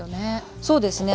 そうですね。